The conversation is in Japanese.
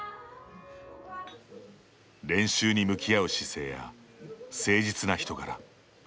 練習に向き合う姿勢や誠実な人柄。